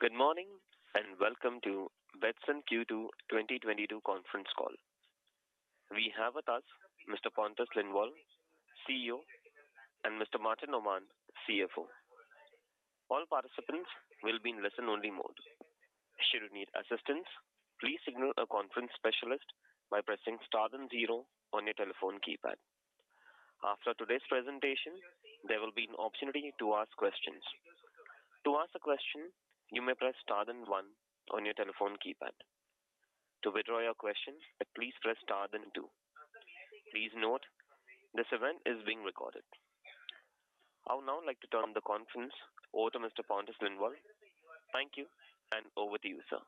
Good morning, and welcome to Betsson Q2 2022 Conference Call. We have with us Mr. Pontus Lindwall, CEO, and Mr. Martin Öhman, CFO. All participants will be in listen-only mode. Should you need assistance, please signal a conference specialist by pressing star then zero on your telephone keypad. After today's presentation, there will be an opportunity to ask questions. To ask a question, you may press star then one on your telephone keypad. To withdraw your questions, please press star then two. Please note, this event is being recorded. I would now like to turn the conference over to Mr. Pontus Lindwall. Thank you, and over to you, sir.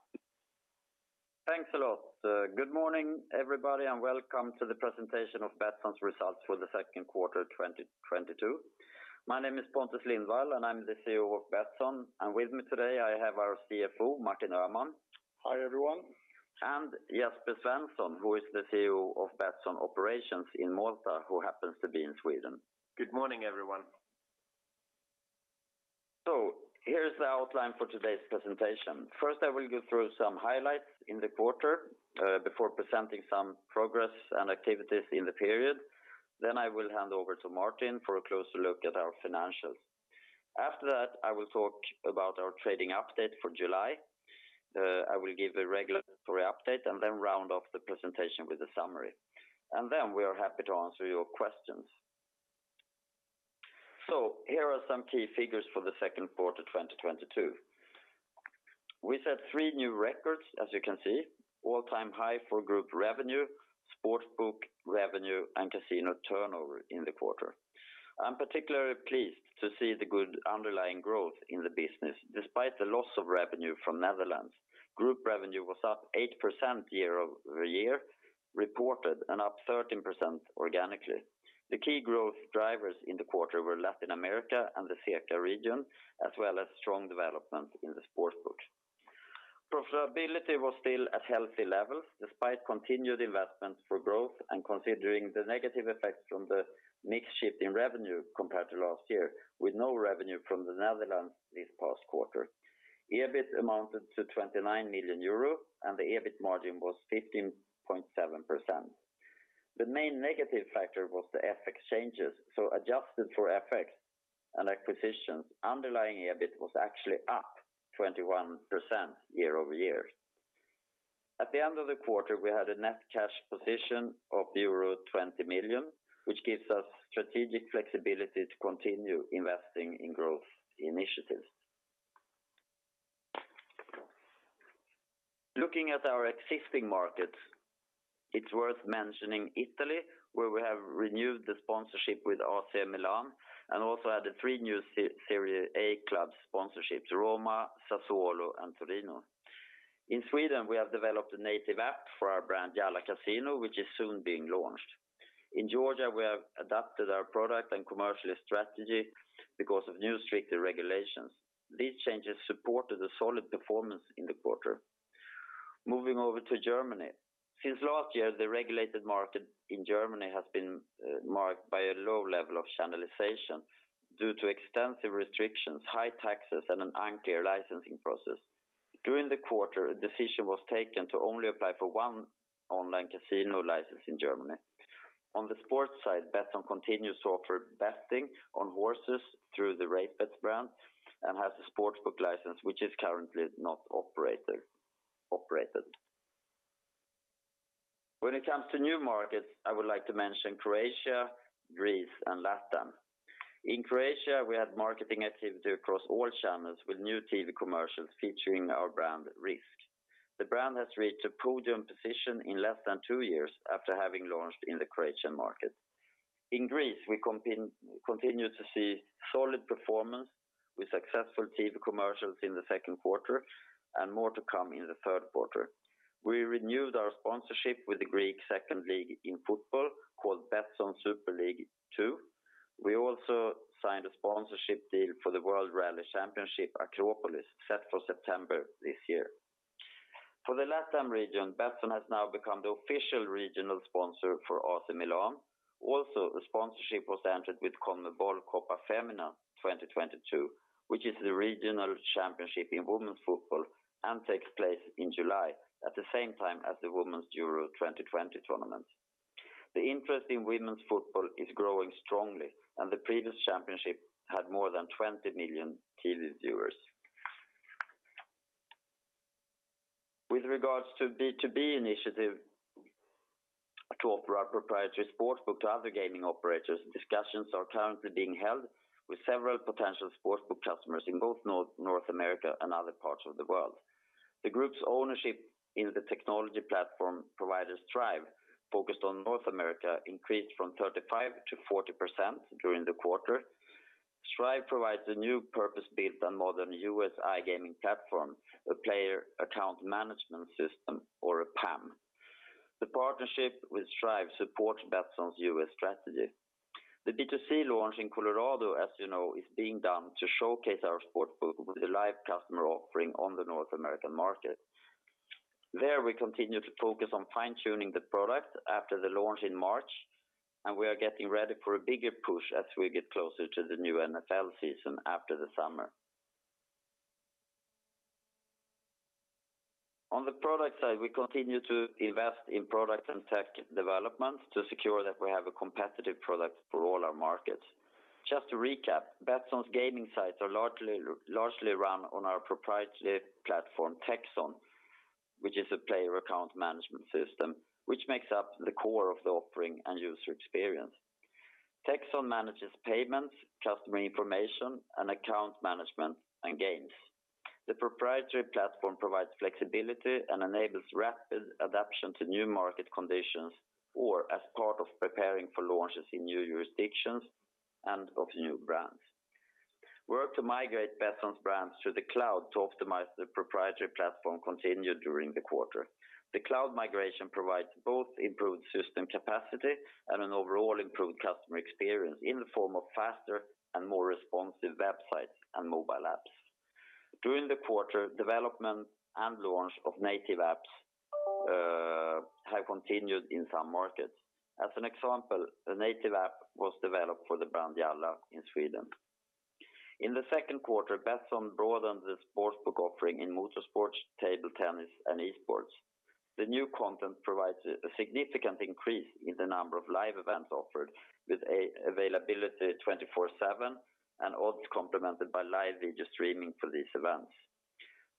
Thanks a lot, sir. Good morning, everybody, and welcome to the presentation of Betsson's results for the second quarter 2022. My name is Pontus Lindwall, and I'm the CEO of Betsson. With me today, I have our CFO, Martin Öhman. Hi, everyone. Jesper Svensson, who is the CEO of Betsson Operations in Malta, who happens to be in Sweden. Good morning, everyone. Here's the outline for today's presentation. First, I will go through some highlights in the quarter, before presenting some progress and activities in the period. Then I will hand over to Martin for a closer look at our financials. After that, I will talk about our trading update for July. I will give a regulatory update and then round off the presentation with a summary. Then we are happy to answer your questions. Here are some key figures for the second quarter 2022. We set three new records, as you can see, all-time high for group revenue, Sportsbook revenue, and casino turnover in the quarter. I'm particularly pleased to see the good underlying growth in the business despite the loss of revenue from the Netherlands. Group revenue was up 8% year-over-year, reported and up 13% organically. The key growth drivers in the quarter were Latin America and the CEECA region, as well as strong development in the Sportsbook. Profitability was still at healthy levels despite continued investments for growth and considering the negative effects from the mix shift in revenue compared to last year, with no revenue from the Netherlands this past quarter. EBIT amounted to 29 million euros, and the EBIT margin was 15.7%. The main negative factor was the FX changes, so adjusted for FX and acquisitions, underlying EBIT was actually up 21% year-over-year. At the end of the quarter, we had a net cash position of euro 20 million, which gives us strategic flexibility to continue investing in growth initiatives. Looking at our existing markets, it's worth mentioning Italy, where we have renewed the sponsorship with AC Milan and also added three new Serie A club sponsorships, Roma, Sassuolo, and Torino. In Sweden, we have developed a native app for our brand, Jalla Casino, which is soon being launched. In Georgia, we have adapted our product and commercial strategy because of new stricter regulations. These changes supported a solid performance in the quarter. Moving over to Germany. Since last year, the regulated market in Germany has been marked by a low level of channelization due to extensive restrictions, high taxes, and an unclear licensing process. During the quarter, a decision was taken to only apply for one online casino license in Germany. On the sports side, Betsson continues to offer betting on horses through the RaceBets brand and has a sportsbook license which is currently not operated. When it comes to new markets, I would like to mention Croatia, Greece, and Latin. In Croatia, we had marketing activity across all channels with new TV commercials featuring our brand Rizk. The brand has reached a podium position in less than two years after having launched in the Croatian market. In Greece, we continue to see solid performance with successful TV commercials in the second quarter and more to come in the third quarter. We renewed our sponsorship with the Greek second league in football, called Betsson Super League 2. We also signed a sponsorship deal for the World Rally Championship Acropolis set for September this year. For the Latin region, Betsson has now become the official regional sponsor for AC Milan. Also, a sponsorship was entered with CONMEBOL Copa América Femenina 2022, which is the regional championship in women's football and takes place in July at the same time as the UEFA Women's Euro 2022 tournament. The interest in women's football is growing strongly, and the previous championship had more than 20 million TV viewers. With regards to B2B initiative to offer our proprietary Sportsbook to other gaming operators, discussions are currently being held with several potential Sportsbook customers in both North America and other parts of the world. The group's ownership in the technology platform provider, Strive, focused on North America, increased from 35%-40% during the quarter. Strive provides a new purpose-built and modern U.S. iGaming platform, a player account management system or a PAM. The partnership with Strive supports Betsson's U.S. strategy. The B2C launch in Colorado, as you know, is being done to showcase our Sportsbook with a live customer offering on the North American market. There we continue to focus on fine-tuning the product after the launch in March, and we are getting ready for a bigger push as we get closer to the new NFL season after the summer. On the product side, we continue to invest in product and tech development to secure that we have a competitive product for all our markets. Just to recap, Betsson's gaming sites are largely run on our proprietary platform, Techsson, which is a player account management system, which makes up the core of the offering and user experience. Techsson manages payments, customer information, and account management, and games. The proprietary platform provides flexibility and enables rapid adaptation to new market conditions or as part of preparing for launches in new jurisdictions and of new brands. Work to migrate Betsson's brands to the cloud to optimize the proprietary platform continued during the quarter. The cloud migration provides both improved system capacity and an overall improved customer experience in the form of faster and more responsive websites and mobile apps. During the quarter, development and launch of native apps have continued in some markets. As an example, a native app was developed for the brand Jalla in Sweden. In the second quarter, Betsson broadened the Sportsbook offering in motorsports, table tennis, and esports. The new content provides a significant increase in the number of live events offered with availability 24/7 and odds complemented by live video streaming for these events.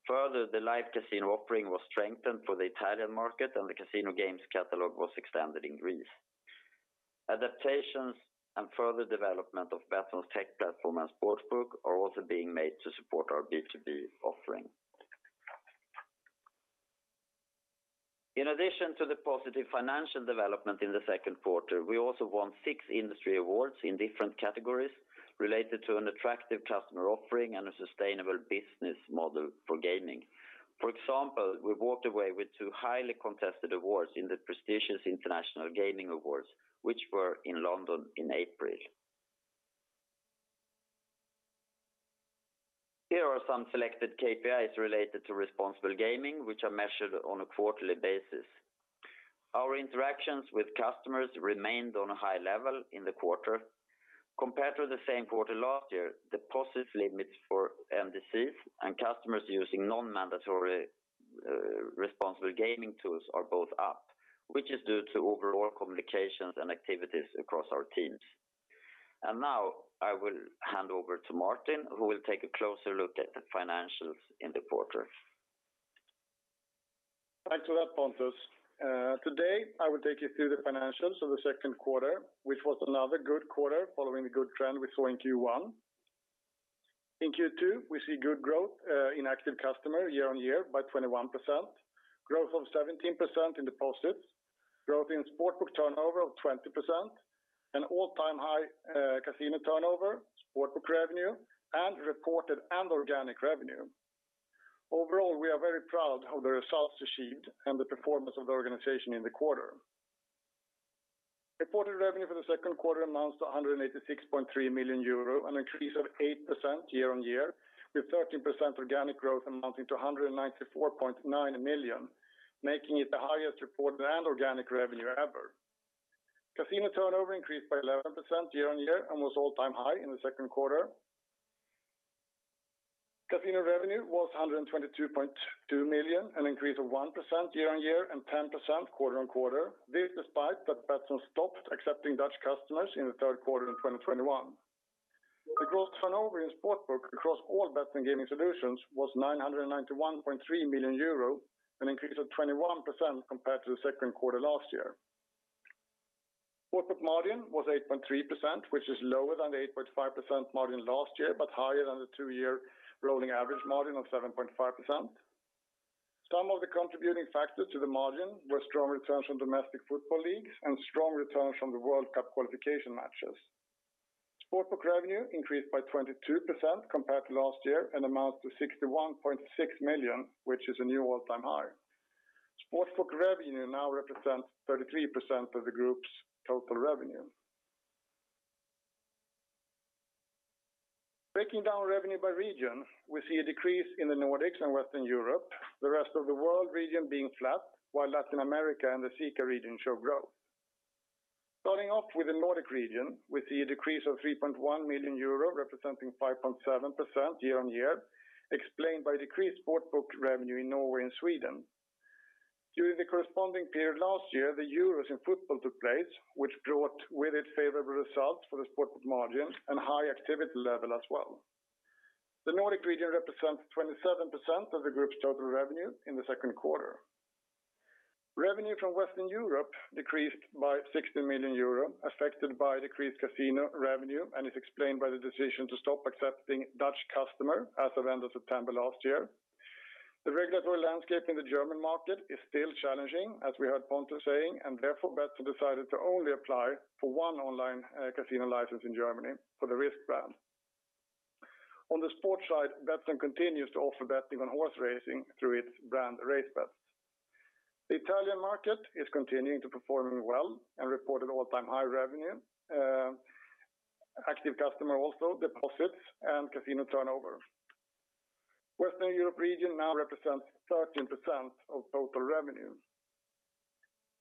Further, the live casino offering was strengthened for the Italian market, and the casino games catalog was expanded in Greece. Adaptations and further development of Betsson's tech platform and Sportsbook are also being made to support our B2B offering. In addition to the positive financial development in the second quarter, we also won six industry awards in different categories related to an attractive customer offering and a sustainable business model for gaming. For example, we walked away with two highly contested awards in the prestigious International Gaming Awards, which were in London in April. Here are some selected KPIs related to responsible gaming, which are measured on a quarterly basis. Our interactions with customers remained on a high level in the quarter. Compared to the same quarter last year, deposit limits for MDC and customers using non-mandatory, responsible gaming tools are both up, which is due to overall communications and activities across our teams. Now I will hand over to Martin, who will take a closer look at the financials in the quarter. Thanks for that, Pontus. Today, I will take you through the financials of the second quarter, which was another good quarter following the good trend we saw in Q1. In Q2, we see good growth in active customer year-on-year by 21%, growth of 17% in deposits, growth in Sportsbook turnover of 20%, an all-time high casino turnover, Sportsbook revenue, and reported and organic revenue. Overall, we are very proud of the results achieved and the performance of the organization in the quarter. Reported revenue for the second quarter amounts to 186.3 million euro, an increase of 8% year-on-year, with 13% organic growth amounting to 194.9 million, making it the highest reported and organic revenue ever. Casino turnover increased by 11% year-over-year and was all-time high in the second quarter. Casino revenue was 122.2 million, an increase of 1% year-over-year and 10% quarter-on-quarter. This despite that Betsson stopped accepting Dutch customers in the third quarter of 2021. The gross turnover in Sportsbook across all Betsson Gaming solutions was 991.3 million euro, an increase of 21% compared to the second quarter last year. Sportsbook margin was 8.3%, which is lower than the 8.5% margin last year, but higher than the two-year rolling average margin of 7.5%. Some of the contributing factors to the margin were strong returns from domestic football leagues and strong returns from the World Cup qualification matches. Sportsbook revenue increased by 22% compared to last year and amounts to 61.6 million, which is a new all-time high. Sportsbook revenue now represents 33% of the group's total revenue. Breaking down revenue by region, we see a decrease in the Nordics and Western Europe, the rest of the world region being flat, while Latin America and the CEECA region show growth. Starting off with the Nordic region, we see a decrease of 3.1 million euro, representing 5.7% year-on-year, explained by decreased Sportsbook revenue in Norway and Sweden. During the corresponding period last year, the Euros in football took place, which brought with it favorable results for the Sportsbook margins and high activity level as well. The Nordic region represents 27% of the group's total revenue in the second quarter. Revenue from Western Europe decreased by 60 million euro, affected by decreased casino revenue, and is explained by the decision to stop accepting Dutch customer as of end of September last year. The regulatory landscape in the German market is still challenging, as we heard Pontus saying, and therefore, Betsson decided to only apply for one online casino license in Germany for the Rizk brand. On the sports side, Betsson continues to offer betting on horse racing through its brand RaceBets. The Italian market is continuing to perform well and reported all-time high revenue, active customer also deposits and casino turnover. Western Europe region now represents 13% of total revenue.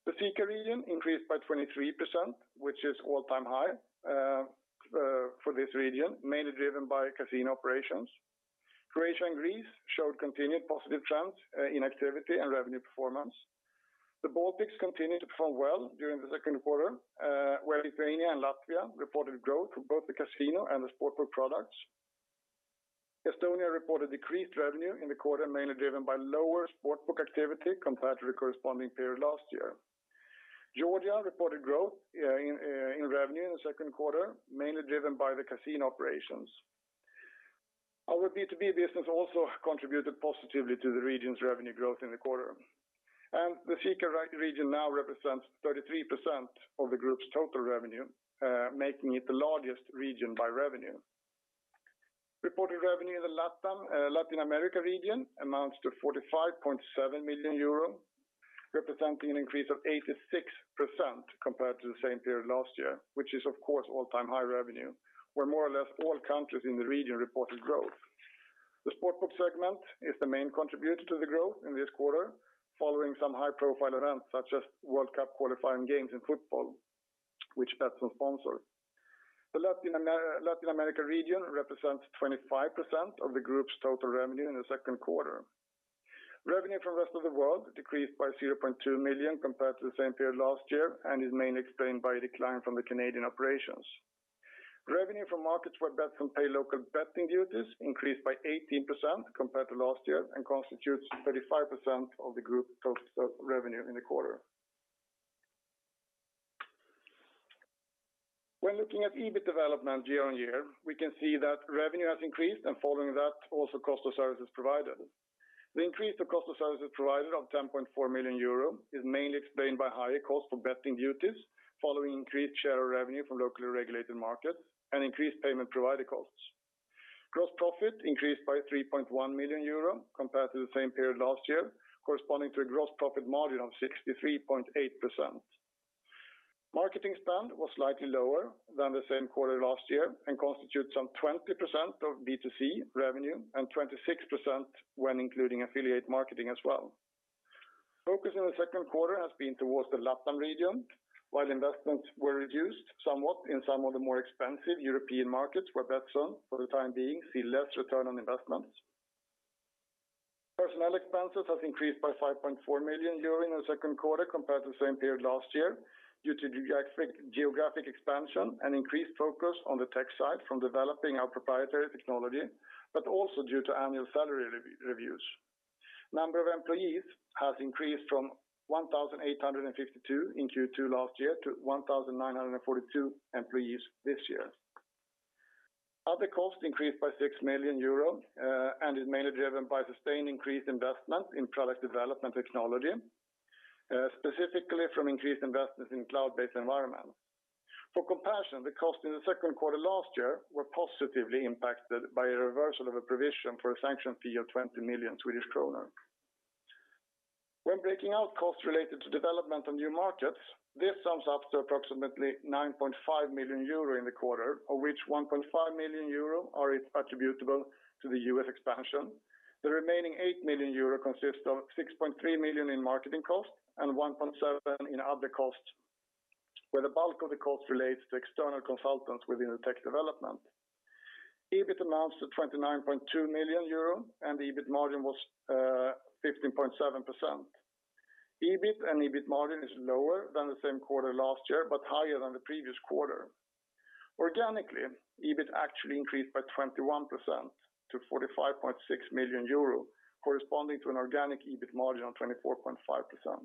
The CEECA region increased by 23%, which is all-time high for this region, mainly driven by casino operations. Croatia and Greece showed continued positive trends in activity and revenue performance. The Baltics continued to perform well during the second quarter, where Lithuania and Latvia reported growth for both the casino and the Sportsbook products. Estonia reported decreased revenue in the quarter, mainly driven by lower Sportsbook activity compared to the corresponding period last year. Georgia reported growth in revenue in the second quarter, mainly driven by the casino operations. Our B2B business also contributed positively to the region's revenue growth in the quarter. The CEECA region now represents 33% of the group's total revenue, making it the largest region by revenue. Reported revenue in the LatAm, Latin America region amounts to 45.7 million euro, representing an increase of 86% compared to the same period last year, which is of course all-time high revenue, where more or less all countries in the region reported growth. The Sportsbook segment is the main contributor to the growth in this quarter, following some high-profile events such as World Cup qualifying games in football, which Betsson sponsored. The Latin America region represents 25% of the group's total revenue in the second quarter. Revenue from rest of the world decreased by 0.2 million compared to the same period last year, and is mainly explained by a decline from the Canadian operations. Revenue from markets where Betsson pay local betting duties increased by 18% compared to last year and constitutes 35% of the group total revenue in the quarter. When looking at EBIT development year-over-year, we can see that revenue has increased, and following that, also cost of services provided. The increase of cost of services provided of 10.4 million euro is mainly explained by higher cost for betting duties following increased share of revenue from locally regulated markets and increased payment provider costs. Gross profit increased by 3.1 million euro compared to the same period last year, corresponding to a gross profit margin of 63.8%. Marketing spend was slightly lower than the same quarter last year and constitutes some 20% of B2C revenue and 26% when including affiliate marketing as well. Focus in the second quarter has been towards the LatAm region while investments were reduced somewhat in some of the more expensive European markets where Betsson, for the time being, see less return on investments. Personnel expenses have increased by 5.4 million euro in the second quarter compared to the same period last year due to geographic expansion and increased focus on the tech side from developing our proprietary technology, but also due to annual salary reviews. Number of employees has increased from 1,852 in Q2 last year to 1,942 employees this year. Other costs increased by 6 million euro and is mainly driven by sustained increased investment in product development technology, specifically from increased investments in cloud-based environment. For comparison, the cost in the second quarter last year were positively impacted by a reversal of a provision for a sanction fee of 20 million Swedish kronor. When breaking out costs related to development of new markets, this sums up to approximately 9.5 million euro in the quarter, of which 1.5 million euro are attributable to the U.S. expansion. The remaining 8 million euro consists of 6.3 million in marketing costs and 1.7 million in other costs, where the bulk of the cost relates to external consultants within the tech development. EBIT amounts to 29.2 million euro, and the EBIT margin was 15.7%. EBIT and EBIT margin is lower than the same quarter last year, but higher than the previous quarter. Organically, EBIT actually increased by 21% to 45.6 million euro, corresponding to an organic EBIT margin of 24.5%.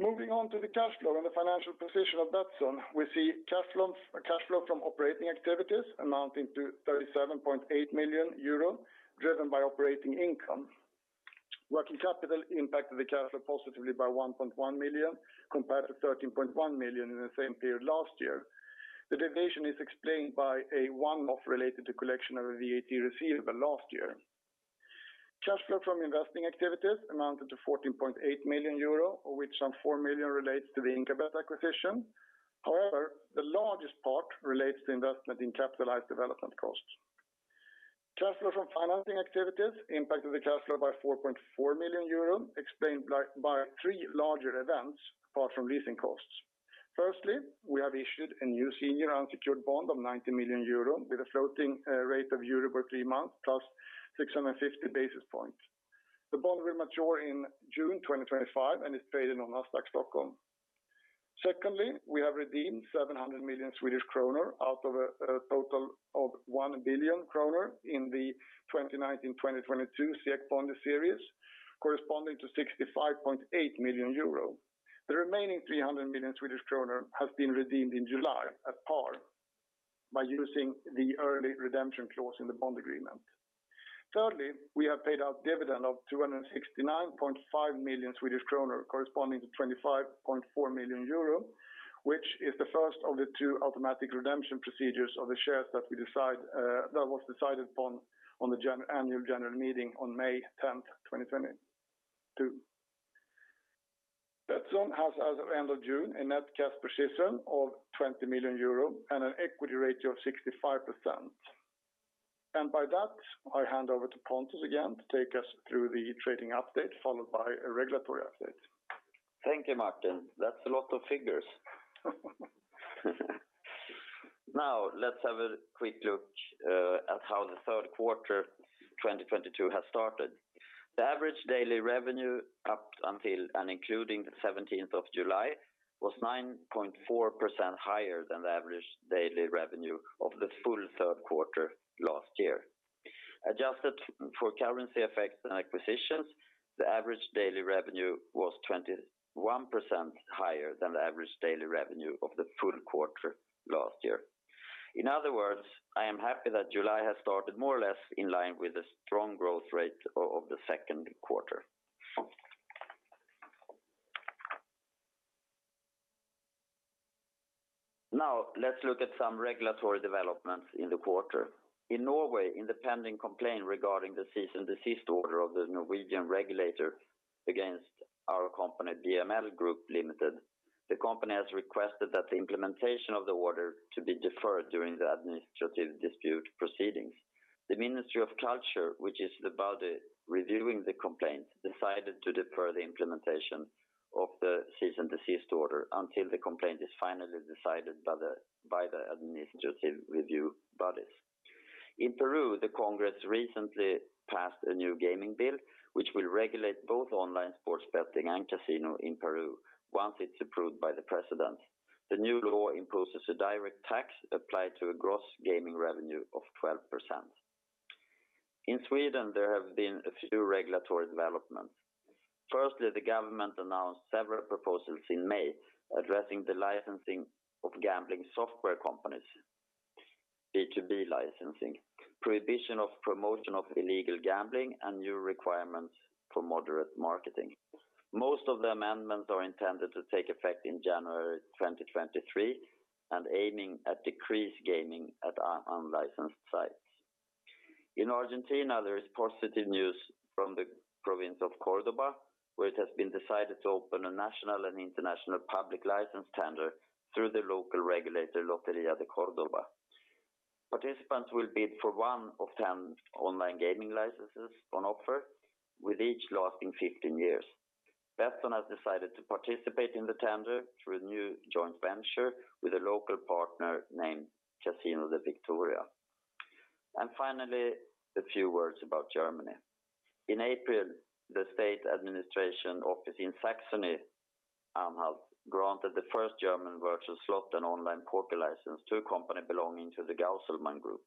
Moving on to the cash flow and the financial position of Betsson, we see cash flow from operating activities amounting to 37.8 million euro, driven by operating income. Working capital impacted the cash flow positively by 1.1 million compared to 13.1 million in the same period last year. The deviation is explained by a one-off related to collection of a VAT receivable last year. Cash flow from investing activities amounted to 14.8 million euro, of which some 4 million relates to the Inkabet acquisition. However, the largest part relates to investment in capitalized development costs. Cash flow from financing activities impacted the cash flow by 4.4 million euro, explained by three larger events apart from leasing costs. Firstly, we have issued a new senior unsecured bond of 90 million euro with a floating rate of EURIBOR three months plus 650 basis points. The bond will mature in June 2025 and is traded on Nasdaq Stockholm. Secondly, we have redeemed 700 million Swedish kronor out of a total of 1 billion kroner in the 2019/2022 SEK bond series, corresponding to 65.8 million euro. The remaining 300 million Swedish kroner has been redeemed in July at par by using the early redemption clause in the bond agreement. Thirdly, we have paid out dividend of 269.5 million Swedish kronor, corresponding to 25.4 million euro, which is the first of the two automatic redemption procedures of the shares that we decide, that was decided upon on the annual general meeting on May 10th, 2022. Betsson has as of end of June, a net cash position of 20 million euro and an equity ratio of 65%. By that, I hand over to Pontus again to take us through the trading update, followed by a regulatory update. Thank you, Martin. That's a lot of figures. Now let's have a quick look at how the third quarter 2022 has started. The average daily revenue up until and including the seventeenth of July was 9.4% higher than the average daily revenue of the full third quarter last year. Adjusted for currency effects and acquisitions, the average daily revenue was 21% higher than the average daily revenue of the full quarter last year. In other words, I am happy that July has started more or less in line with the strong growth rate of the second quarter. Now let's look at some regulatory developments in the quarter. In Norway, in the pending complaint regarding the cease and desist order of the Norwegian regulator against our company, BML Group Limited, the company has requested that the implementation of the order to be deferred during the administrative dispute proceedings. The Ministry of Culture, which is the body reviewing the complaint, decided to defer the implementation of the cease and desist order until the complaint is finally decided by the administrative review bodies. In Peru, the Congress recently passed a new gaming bill, which will regulate both online sports betting and casino in Peru once it's approved by the president. The new law imposes a direct tax applied to a gross gaming revenue of 12%. In Sweden, there have been a few regulatory developments. Firstly, the government announced several proposals in May addressing the licensing of gambling software companies, B2B licensing, prohibition of promotion of illegal gambling, and new requirements for moderate marketing. Most of the amendments are intended to take effect in January 2023 and aiming at decreased gaming at unlicensed sites. In Argentina, there is positive news from the province of Cordoba, where it has been decided to open a national and international public license tender through the local regulator, Loteria de Cordoba. Participants will bid for one of 10 online gaming licenses on offer, with each lasting 15 years. Betsson has decided to participate in the tender through a new joint venture with a local partner named Casino de Victoria. Finally, a few words about Germany. In April, the state administration office in Saxony has granted the first German virtual slot and online poker license to a company belonging to the Gauselmann Group.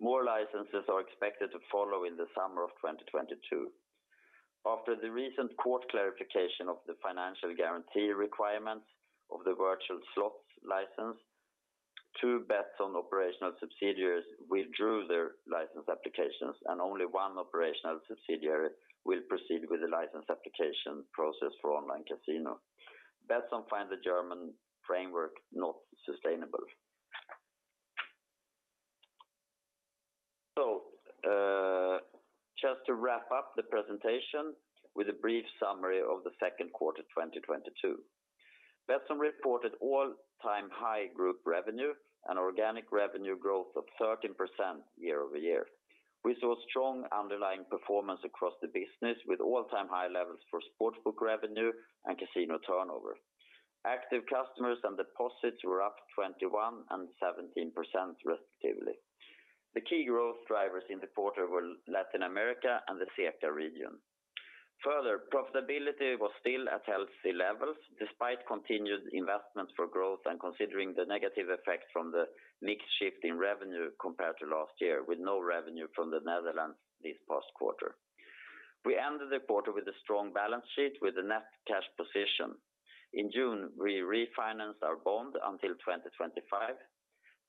More licenses are expected to follow in the summer of 2022. After the recent court clarification of the financial guarantee requirements of the virtual slots license, two Betsson operational subsidiaries withdrew their license applications, and only one operational subsidiary will proceed with the license application process for online casino. Betsson find the German framework not sustainable. Just to wrap up the presentation with a brief summary of the second quarter 2022. Betsson reported all-time high group revenue and organic revenue growth of 13% year-over-year. We saw strong underlying performance across the business with all-time high levels for Sportsbook revenue and casino turnover. Active customers and deposits were up 21% and 17% respectively. The key growth drivers in the quarter were Latin America and the CEECA region. Further, profitability was still at healthy levels despite continued investments for growth and considering the negative effect from the mix shift in revenue compared to last year with no revenue from the Netherlands this past quarter. We ended the quarter with a strong balance sheet with a net cash position. In June, we refinanced our bond until 2025,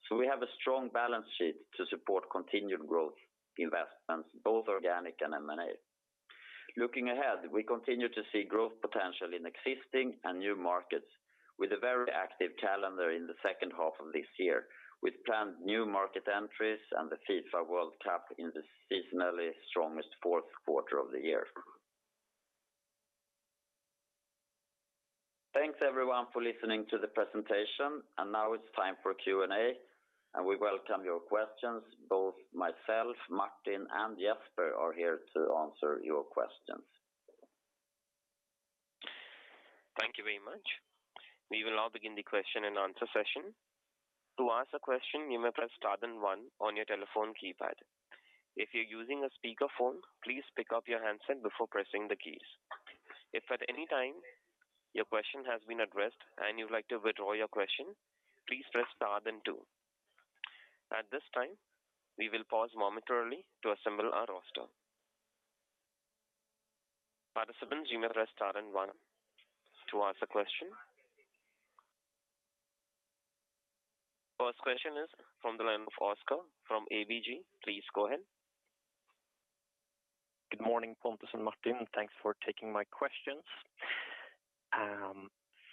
so we have a strong balance sheet to support continued growth investments, both organic and M&A. Looking ahead, we continue to see growth potential in existing and new markets with a very active calendar in the second half of this year, with planned new market entries and the FIFA World Cup in the seasonally strongest fourth quarter of the year. Thanks, everyone, for listening to the presentation. Now it's time for Q&A, and we welcome your questions. Both myself, Martin, and Jesper are here to answer your questions. Thank you very much. We will now begin the question and answer session. To ask a question, you may press star then one on your telephone keypad. If you're using a speakerphone, please pick up your handset before pressing the keys. If at any time your question has been addressed and you'd like to withdraw your question, please press star then two. At this time, we will pause momentarily to assemble our roster. Participants, you may press star and one to ask a question. First question is from the line of Oscar from ABG. Please go ahead. Good morning, Pontus and Martin. Thanks for taking my questions.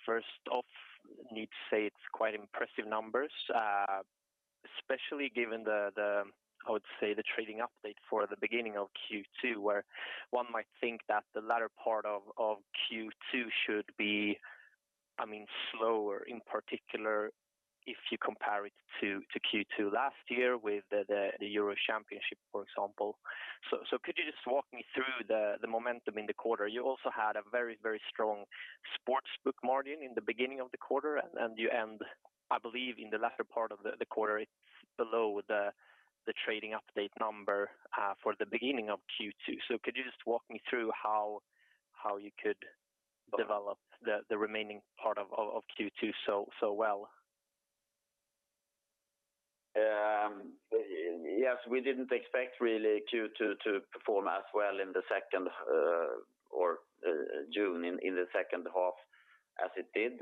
First off, need to say it's quite impressive numbers. Especially given the trading update for the beginning of Q2, where one might think that the latter part of Q2 should be, I mean, slower in particular if you compare it to Q2 last year with the Euro championship, for example. Could you just walk me through the momentum in the quarter? You also had a very strong Sportsbook margin in the beginning of the quarter and you end, I believe in the latter part of the quarter, it's below the trading update number for the beginning of Q2. Could you just walk me through how you could develop the remaining part of Q2 so well? Yes. We didn't expect really Q2 to perform as well in the second half as it did.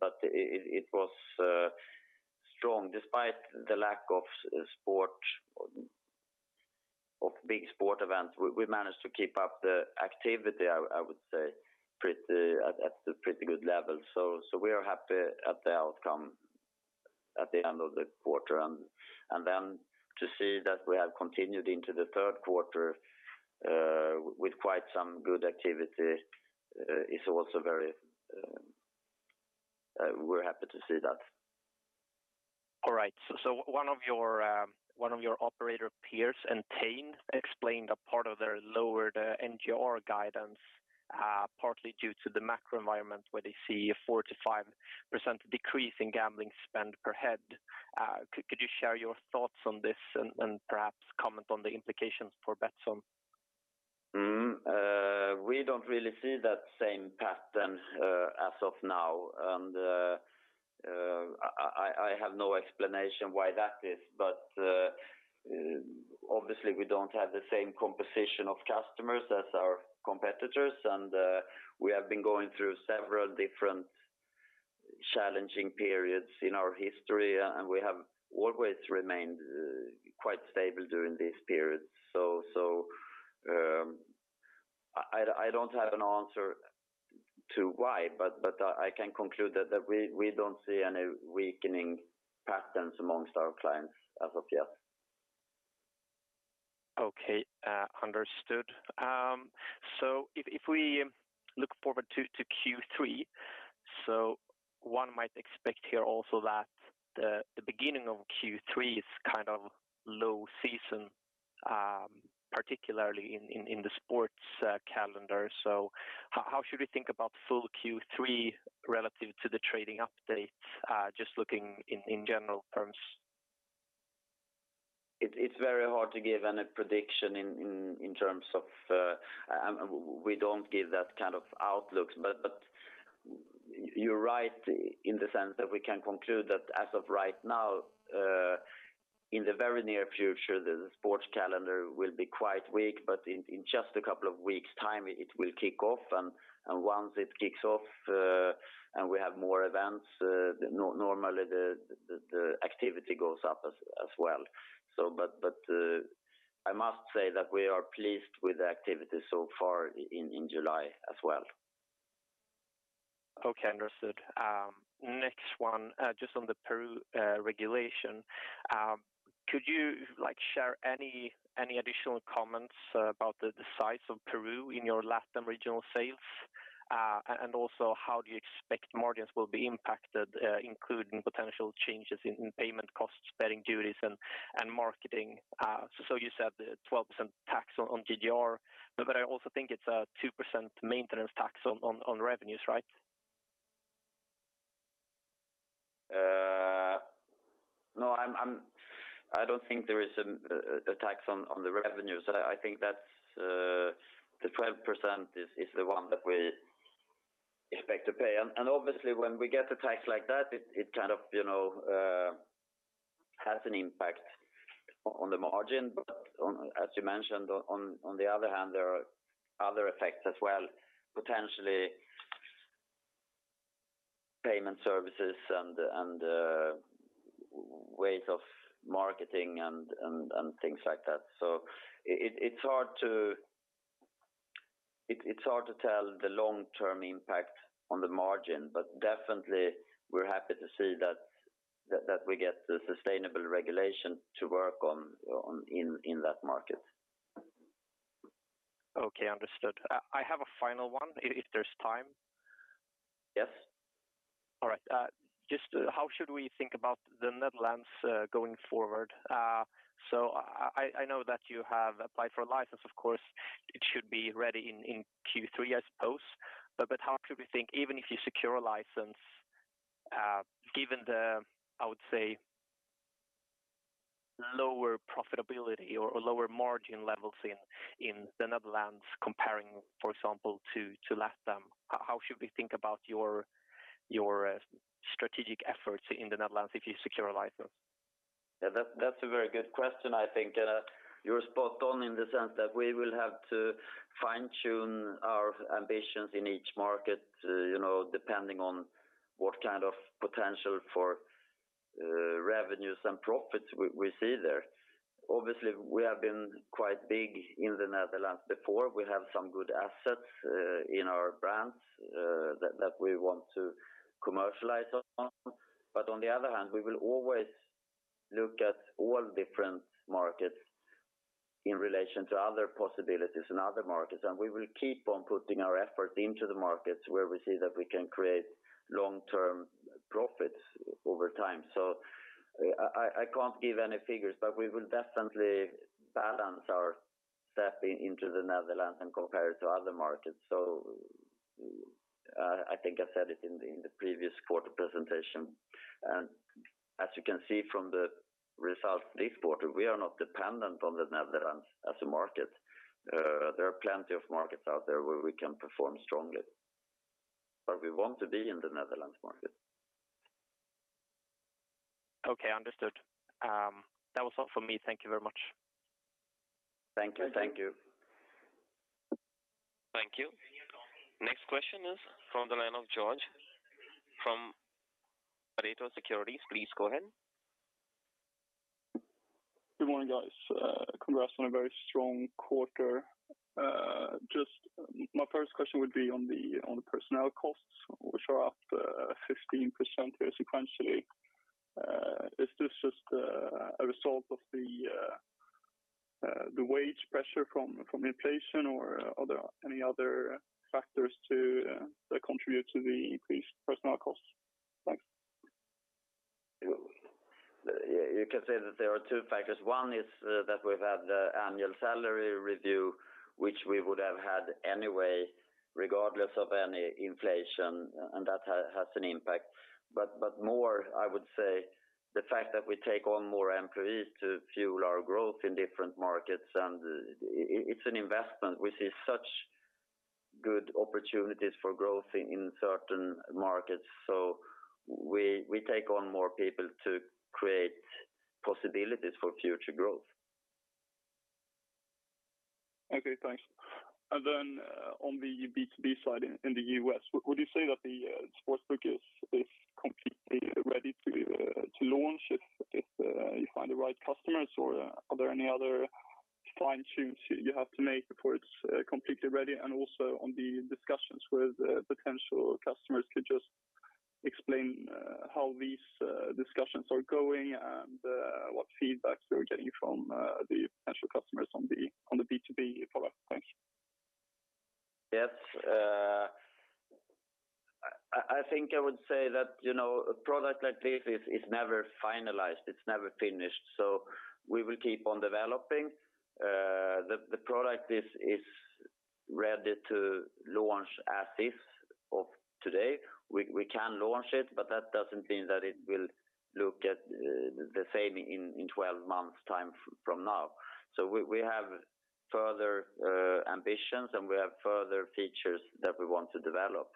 But it was strong despite the lack of big sport events. We managed to keep up the activity I would say at a pretty good level. We are happy at the outcome at the end of the quarter. Then to see that we have continued into the third quarter with quite some good activity is also very. We're happy to see that. All right. One of your operator peers, Entain, explained a part of their lowered NGR guidance, partly due to the macro environment where they see a 4%-5% decrease in gambling spend per head. Could you share your thoughts on this and perhaps comment on the implications for Betsson? We don't really see that same pattern as of now. I have no explanation why that is. Obviously we don't have the same composition of customers as our competitors, and we have been going through several different challenging periods in our history, and we have always remained quite stable during these periods. I don't have an answer to why, but I can conclude that we don't see any weakening patterns amongst our clients as of yet. Okay, understood. If we look forward to Q3, so one might expect here also that the beginning of Q3 is kind of low season, particularly in the sports calendar. How should we think about full Q3 relative to the trading update, just looking in general terms? It's very hard to give any prediction in terms of. We don't give that kind of outlooks. You're right in the sense that we can conclude that as of right now, in the very near future, the sports calendar will be quite weak, but in just a couple of weeks' time it will kick off. Once it kicks off, and we have more events, normally the activity goes up as well. I must say that we are pleased with the activity so far in July as well. Okay, understood. Next one, just on the Peru regulation, could you like share any additional comments about the size of Peru in your LatAm regional sales? And also, how do you expect margins will be impacted, including potential changes in payment costs, betting duties, and marketing? So you said the 12% tax on GGR, but I also think it's a 2% maintenance tax on revenues, right? No. I don't think there is a tax on the revenues. I think that's the 12% is the one that we expect to pay. Obviously, when we get a tax like that, it kind of, you know, has an impact on the margin. As you mentioned, on the other hand, there are other effects as well, potentially payment services and ways of marketing and things like that. It's hard to tell the long-term impact on the margin. Definitely we're happy to see that we get the sustainable regulation to work on in that market. Okay, understood. I have a final one if there's time. Yes. All right. Just how should we think about the Netherlands going forward? I know that you have applied for a license, of course. It should be ready in Q3, I suppose. How should we think even if you secure a license, given the, I would say, lower profitability or lower margin levels in the Netherlands comparing, for example, to LatAm? How should we think about your strategic efforts in the Netherlands if you secure a license? Yeah, that's a very good question, I think. You're spot on in the sense that we will have to fine-tune our ambitions in each market, you know, depending on what kind of potential for revenues and profits we see there. Obviously, we have been quite big in the Netherlands before. We have some good assets in our brands that we want to commercialize on. But on the other hand, we will always look at all different markets in relation to other possibilities in other markets. We will keep on putting our effort into the markets where we see that we can create long-term profits over time. I can't give any figures, but we will definitely balance our stepping into the Netherlands and compare it to other markets. I think I said it in the previous quarter presentation. As you can see from the results this quarter, we are not dependent on the Netherlands as a market. There are plenty of markets out there where we can perform strongly, but we want to be in the Netherlands market. Okay, understood. That was all for me. Thank you very much. Thank you. Thank you. Thank you. Next question is from the line of Georg Attling from Pareto Securities. Please go ahead. Good morning, guys. Congrats on a very strong quarter. Just my first question would be on the personnel costs, which are up 15% year sequentially. Is this just a result of the wage pressure from inflation or are there any other factors that contribute to the increased personnel costs? Thanks. You can say that there are two factors. One is that we've had the annual salary review, which we would have had anyway regardless of any inflation, and that has an impact. More, I would say the fact that we take on more employees to fuel our growth in different markets, and it's an investment. We see such good opportunities for growth in certain markets, so we take on more people to create possibilities for future growth. Okay, thanks. On the B2B side in the U.S., would you say that the sports book is completely ready to launch if you find the right customers, or are there any other fine tunes you have to make before it's completely ready? On the discussions with potential customers, could you just explain how these discussions are going and what feedbacks you're getting from the potential customers on the B2B product? Thanks. Yes. I think I would say that, you know, a product like this is never finalized, it's never finished, so we will keep on developing. The product is ready to launch as is of today. We can launch it, but that doesn't mean that it will look at the same in 12 months time from now. We have further ambitions, and we have further features that we want to develop.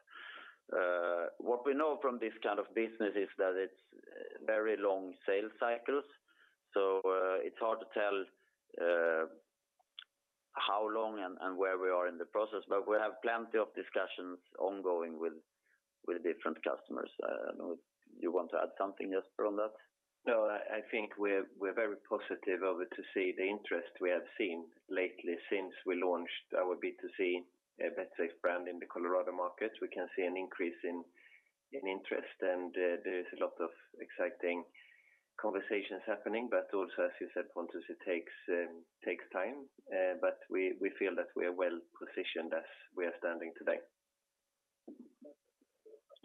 What we know from this kind of business is that it's very long sales cycles, so it's hard to tell how long and where we are in the process. We have plenty of discussions ongoing with different customers. You want to add something, Jesper, on that? No, I think we're very positive of it to see the interest we have seen lately since we launched our B2C Betsafe brand in the Colorado markets. We can see an increase in interest, and there is a lot of exciting conversations happening. But also as you said, Pontus, it takes time. But we feel that we are well positioned as we are standing today.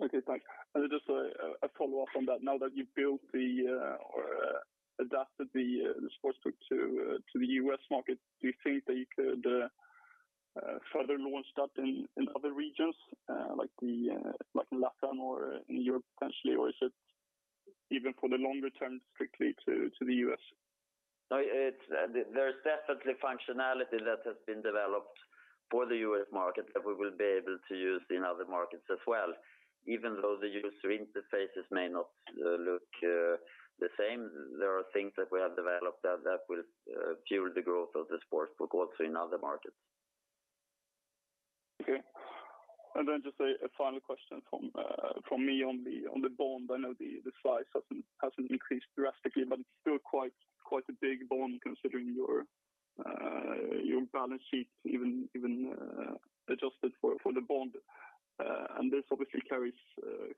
Okay, thanks. Just a follow-up on that. Now that you've built or adapted the Sportsbook to the U.S. market, do you think that you could further launch that in other regions like in LatAm or in Europe potentially? Or is it even for the longer term strictly to the U.S.? There's definitely functionality that has been developed for the U.S. market that we will be able to use in other markets as well. Even though the user interfaces may not look the same, there are things that we have developed that will fuel the growth of the sports book also in other markets. Okay. Just a final question from me on the bond. I know the size hasn't increased drastically, but it's still quite a big bond considering your balance sheet even adjusted for the bond. This obviously carries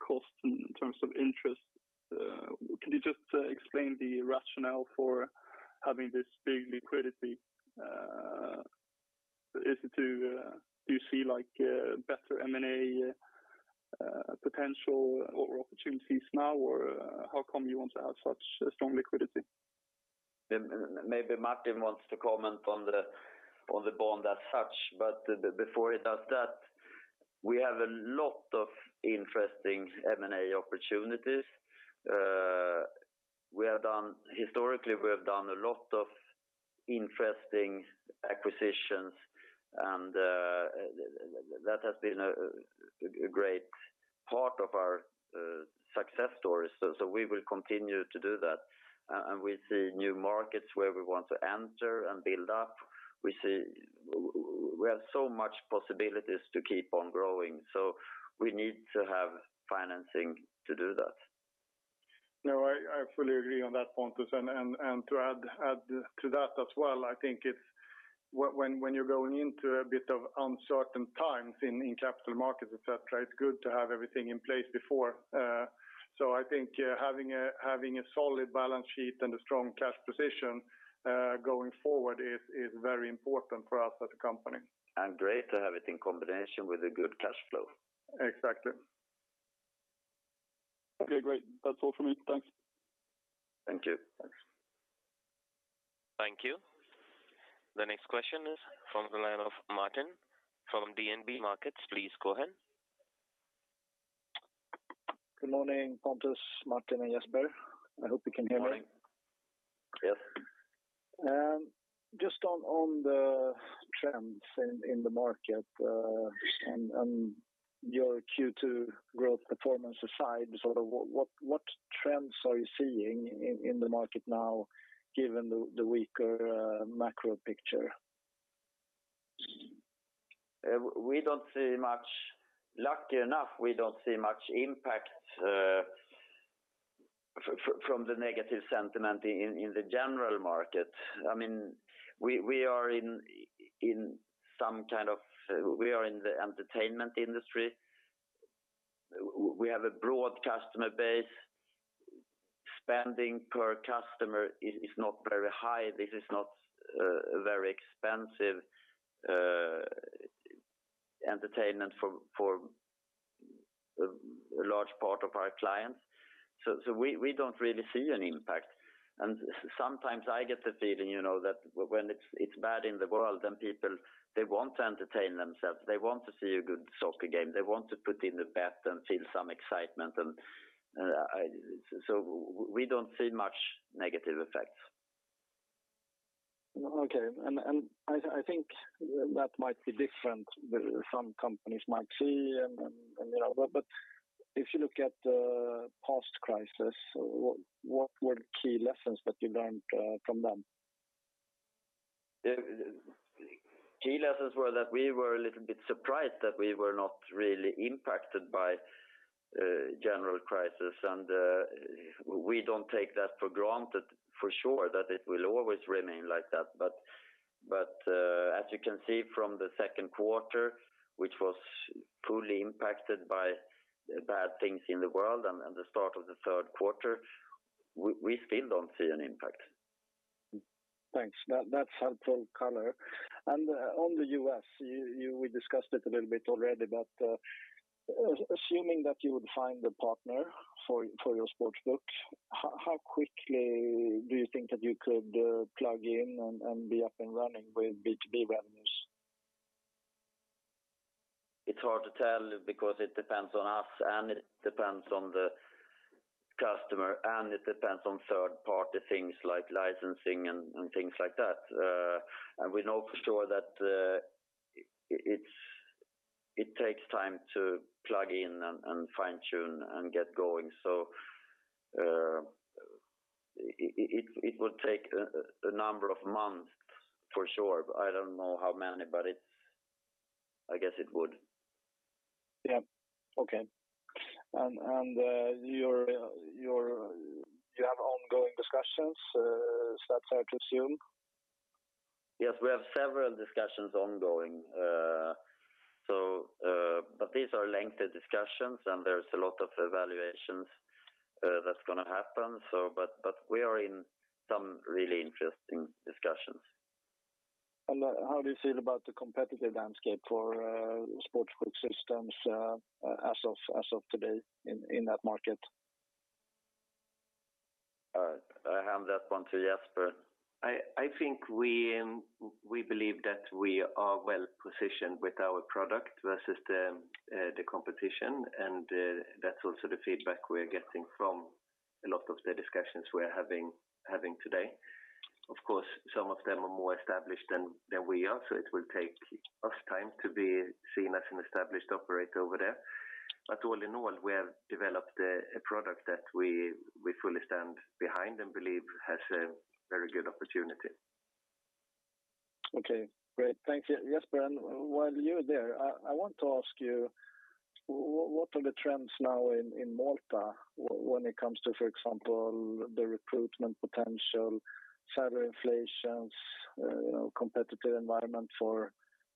costs in terms of interest. Can you just explain the rationale for having this big liquidity? Is it to do you see like better M&A potential or opportunities now, or how come you want to have such strong liquidity? Maybe Martin wants to comment on the bond as such, but before he does that, we have a lot of interesting M&A opportunities. Historically, we have done a lot of interesting acquisitions, and that has been a great part of our success stories. We will continue to do that, and we see new markets where we want to enter and build up. We see we have so much possibilities to keep on growing, so we need to have financing to do that. No, I fully agree on that, Pontus. To add to that as well, I think it's when you're going into a bit of uncertain times in capital markets, et cetera, it's good to have everything in place before. I think having a solid balance sheet and a strong cash position going forward is very important for us as a company. Great to have it in combination with a good cash flow. Exactly. Okay, great. That's all for me. Thanks. Thank you. Thanks. Thank you. The next question is from the line of Martin from DNB Markets. Please go ahead. Good morning, Pontus, Martin, and Jesper. I hope you can hear me. Morning. Yes. Just on the trends in the market and your Q2 growth performance aside, sort of what trends are you seeing in the market now given the weaker macro picture? Lucky enough, we don't see much impact from the negative sentiment in the general market. I mean, we are in some kind of entertainment industry. We have a broad customer base. Spending per customer is not very high. This is not a very expensive entertainment for a large part of our clients. So we don't really see an impact. Sometimes I get the feeling, you know, that when it's bad in the world, then people they want to entertain themselves. They want to see a good soccer game. They want to put in the bet and feel some excitement. So we don't see much negative effects. Okay. I think that might be different with some companies might see, you know. If you look at past crisis, what were key lessons that you learned from them? The key lessons were that we were a little bit surprised that we were not really impacted by general crisis. We don't take that for granted for sure that it will always remain like that. As you can see from the second quarter, which was fully impacted by bad things in the world and the start of the third quarter, we still don't see an impact. Thanks. That's helpful color. On the U.S., we discussed it a little bit already, but assuming that you would find a partner for your Sportsbook, how quickly do you think that you could plug in and be up and running with B2B revenues? It's hard to tell because it depends on us, and it depends on the customer, and it depends on third-party things like licensing and things like that. We know for sure that it takes time to plug in and fine-tune and get going. It would take a number of months for sure, but I don't know how many, but I guess it would. Yeah. Okay. You have ongoing discussions, is that fair to assume? Yes. We have several discussions ongoing. These are lengthy discussions, and there's a lot of evaluations that's gonna happen. We are in some really interesting discussions. How do you feel about the competitive landscape for Sportsbook systems as of today in that market? I hand that one to Jesper. I think we believe that we are well positioned with our product versus the competition. That's also the feedback we're getting from a lot of the discussions we're having today. Of course, some of them are more established than we are, so it will take us time to be seen as an established operator over there. All in all, we have developed a product that we fully stand behind and believe has a very good opportunity. Okay. Great. Thank you. Jesper, and while you're there, I want to ask you, what are the trends now in Malta when it comes to, for example, the recruitment potential, salary inflations, you know, competitive environment for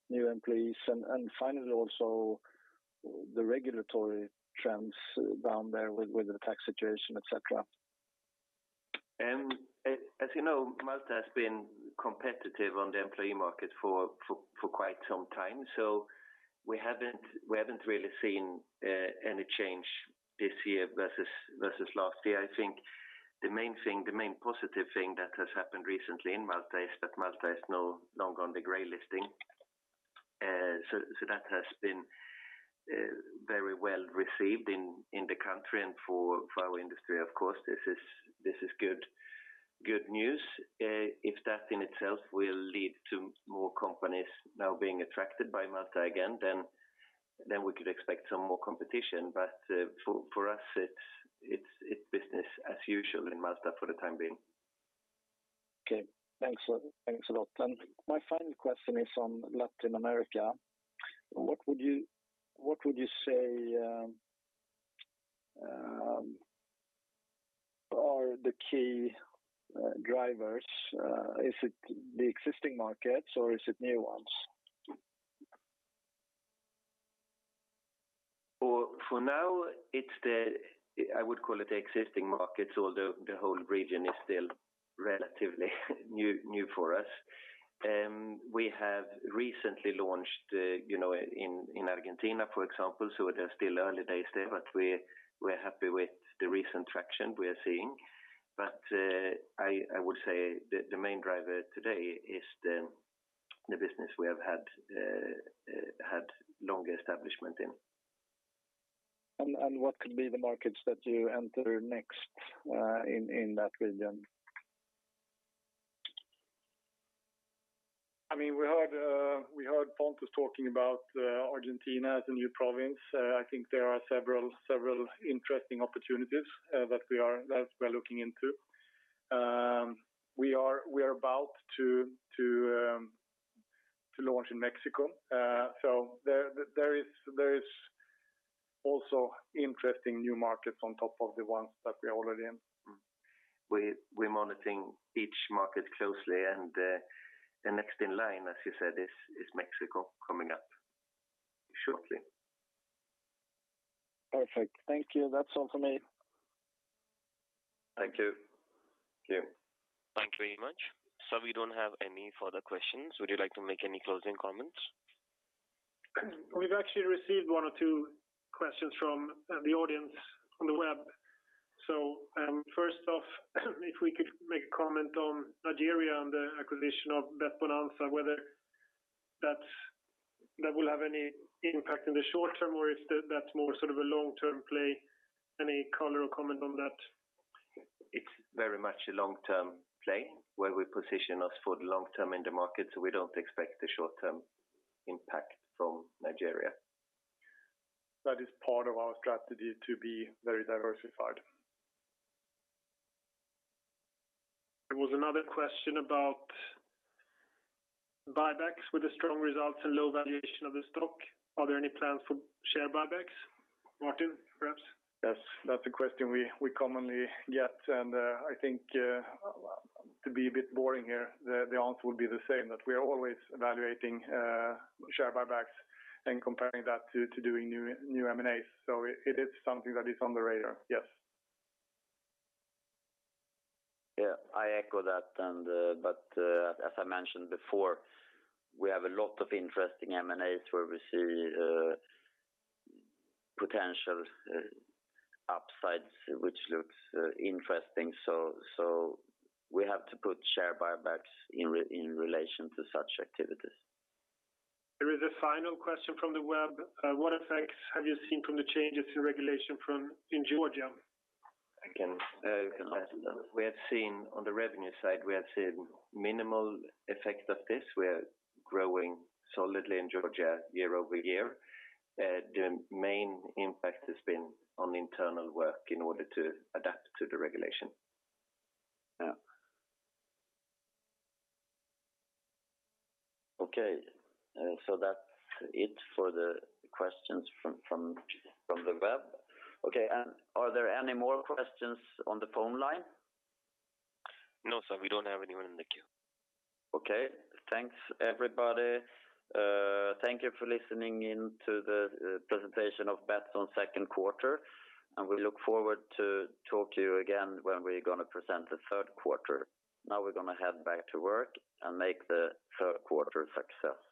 new employees and finally also the regulatory trends down there with the tax situation, et cetera? As you know, Malta has been competitive on the employee market for quite some time. We haven't really seen any change this year versus last year. I think the main thing, the main positive thing that has happened recently in Malta is that Malta is no longer on the gray listing. So that has been very well received in the country and for our industry. Of course, this is good news. If that in itself will lead to more companies now being attracted by Malta again, then we could expect some more competition. For us, it's business as usual in Malta for the time being. Okay. Thanks a lot. My final question is on Latin America. What would you say are the key drivers? Is it the existing markets or is it new ones? For now, it's the I would call it the existing markets, although the whole region is still relatively new for us. We have recently launched, you know, in Argentina, for example, so it is still early days there, but we're happy with the recent traction we are seeing. I would say the main driver today is the business we have had longer establishment in. What could be the markets that you enter next, in that region? I mean, we heard Pontus talking about Argentina as a new province. I think there are several interesting opportunities that we're looking into. We are about to launch in Mexico. There is also interesting new markets on top of the ones that we're already in. We're monitoring each market closely, and the next in line, as you said, is Mexico coming up shortly. Perfect. Thank you. That's all for me. Thank you. Thank you. Thank you very much. We don't have any further questions. Would you like to make any closing comments? We've actually received one or two questions from the audience on the web. First off, if we could make a comment on Nigeria and the acquisition of betBonanza, whether that will have any impact in the short term, or if that's more sort of a long-term play. Any color or comment on that? It's very much a long-term play where we position us for the long term in the market, so we don't expect a short-term impact from Nigeria. That is part of our strategy to be very diversified. There was another question about buybacks with the strong results and low valuation of the stock. Are there any plans for share buybacks? Martin, perhaps? Yes, that's a question we commonly get, and I think to be a bit boring here, the answer would be the same, that we are always evaluating share buybacks and comparing that to doing new M&As. It is something that is on the radar. Yes. Yeah, I echo that. As I mentioned before, we have a lot of interesting M&As where we see potential upsides which looks interesting. We have to put share buybacks in relation to such activities. There is a final question from the web. What effects have you seen from the changes in regulation in Georgia? I can answer that. We have seen on the revenue side, we have seen minimal effect of this. We are growing solidly in Georgia year-over-year. The main impact has been on internal work in order to adapt to the regulation. Yeah. Okay. That's it for the questions from the web. Okay. And are there any more questions on the phone line? No, sir, we don't have anyone in the queue. Okay. Thanks, everybody. Thank you for listening in to the presentation of Betsson second quarter, and we look forward to talk to you again when we're gonna present the third quarter. Now we're gonna head back to work and make the third quarter a success.